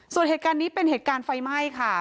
ส่วนเหตุการณ์นี้เป็นเหตุการณ์ไฟไหม้ค่ะ